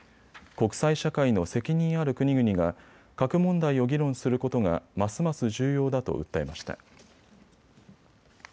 国際社会の責任ある国々が核問題を議論することがますます重要だと訴えました。